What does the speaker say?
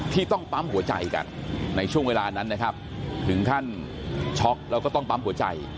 ต้องปั๊มหัวใจกันในช่วงเวลานั้นนะครับถึงขั้นช็อกแล้วก็ต้องปั๊มหัวใจ